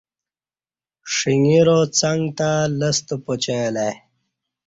ݜنگرا څݩگہ تہ لستہ پا چیں الہ ای